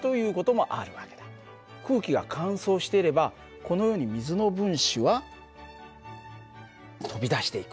空気が乾燥していればこのように水の分子は飛び出していく。